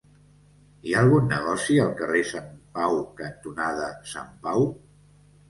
Hi ha algun negoci al carrer Sant Pau cantonada Sant Pau?